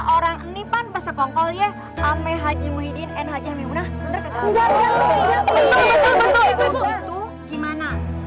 orang ini pas ngomong ya ame haji muhyiddin dan haji muhyiddin